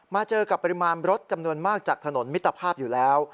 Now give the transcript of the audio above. เจอกับปริมาณรถจำนวนมากจากถนนมิตรภาพอยู่แล้ว